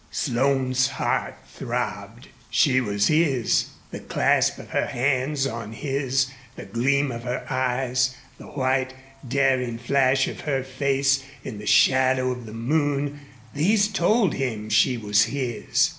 Slone's heart throbbed. She was his. The clasp of her hands on his, the gleam of her eyes, the white, daring flash of her face in the shadow of the moon these told him she was his.